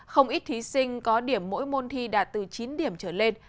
không ít thí sinh có điểm mỗi môn thi đạt từ chín điểm trở lên